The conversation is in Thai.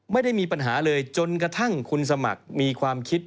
ไม่ได้มีปัญหาเลยจนกระทั่งคุณสมัครมีความคิด